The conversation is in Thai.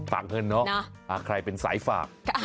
ฝากเงินเนอะใครเป็นสายฝาก